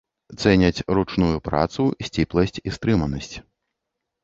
Цэняць ручную працу, сціпласць і стрыманасць.